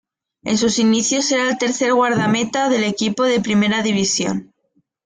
En sus inicios era el tercer guardameta del equipo de primera división.